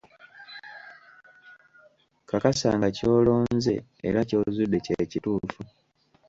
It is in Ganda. Kakasa nga ky'olonze era ky'ozudde kye kituufu.